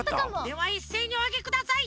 ではいっせいにおあげください！